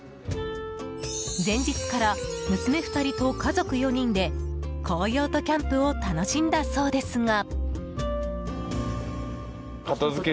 前日から、娘２人と家族４人で紅葉とキャンプを楽しんだそうですが。